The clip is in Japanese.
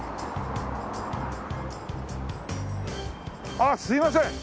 あっすいません。